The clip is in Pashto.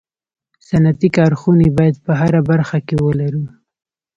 صنعتي کارخوني باید په هره برخه کي ولرو